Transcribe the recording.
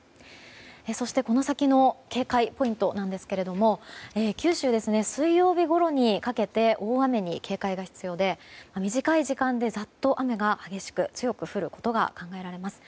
そして、この先の警戒ポイントなんですが九州は水曜日ごろにかけて大雨に警戒が必要で短い時間でザっと雨が激しく強く降ることが考えられます。